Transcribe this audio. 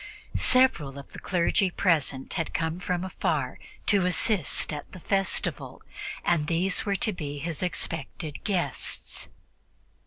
Several of the clergy present had come from afar to assist at the festival, and these were to be his expected guests.